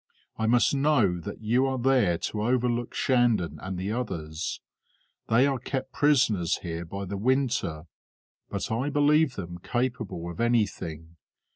I must know that you are there to overlook Shandon and the others. They are kept prisoners here by the winter, but I believe them capable of anything.